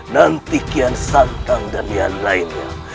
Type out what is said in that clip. nanti kian santang dan yang lainnya